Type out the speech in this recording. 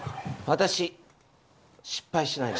私、失敗しないので。